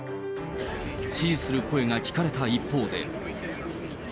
支持する声が聞かれた一方で。